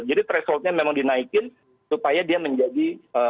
jadi threshold nya memang dinaikin supaya dia menjadi